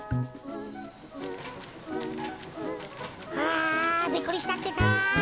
あびっくりしたってか。